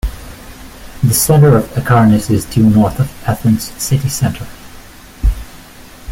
The centre of Acharnes is due north of Athens city centre.